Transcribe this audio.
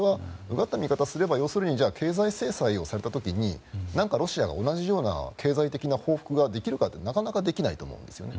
うがった見方をすれば要するに経済制裁をされた時にロシアが同じような経済的な報復ができるかというとなかなかできないと思うんです。